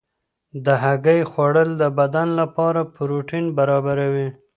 د هګۍ خوړل د بدن لپاره پروټین برابروي.